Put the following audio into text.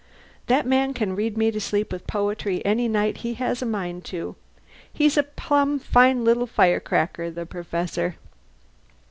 That man can read me to sleep with poetry any night he has a mind to. He's a plumb fine little firecracker, the Perfessor."